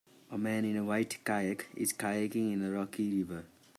A man in a white kayak is kayaking in a rocky river.